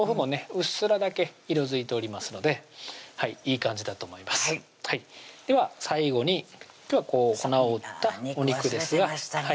うっすらだけ色づいておりますのでいい感じだと思いますでは最後に今日は粉を打ったお肉ですが肉忘れてました